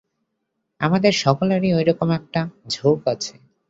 আমাদের সকলেরই ঐ রকম এক-একটা ঝোঁক আছে।